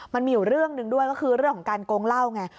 มันมีอยู่เรื่องหนึ่งด้วยก็คือเรื่องของการโกงเหล้าไง